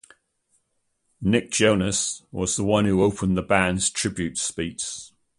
Nick Jonas was the one who opened the band's tribute speech.